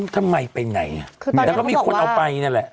ทำไมเป็นไงเหมือนก็มีคนเอาไปนั่นแหละ